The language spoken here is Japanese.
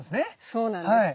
そうなんです。